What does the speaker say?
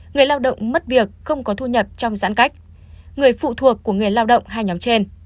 người lao động mất việc không có thu nhập trong giãn cách người phụ thuộc của người lao động hai nhóm trên